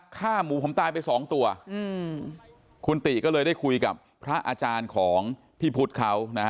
ฆ่าหมูผมตายไปสองตัวอืมคุณติก็เลยได้คุยกับพระอาจารย์ของพี่พุทธเขานะฮะ